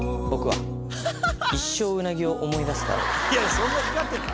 そんな光ってた？